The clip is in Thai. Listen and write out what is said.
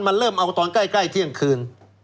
มันเริ่มเอาตอนใกล้เที่ยงคืน